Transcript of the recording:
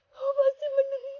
mama tidak bisa